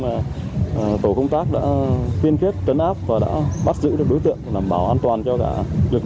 mà tổ công tác đã tuyên khiết tấn áp và đã bắt giữ được đối tượng làm bảo an toàn cho cả lực